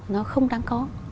nó không đáng có